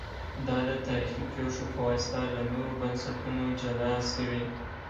دا د تاریخي پېښو په واسطه له نورو بنسټونو جلا سوي